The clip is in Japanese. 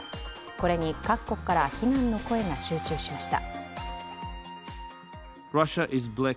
これに各国から非難の声が集中しました。